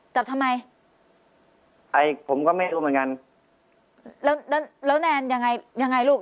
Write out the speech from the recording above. จับทำไมไอ้ผมก็ไม่รู้เหมือนกันแล้วแล้วแนนยังไงยังไงลูก